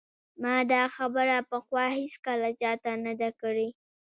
ما دا خبره پخوا هیڅکله چا ته نه ده کړې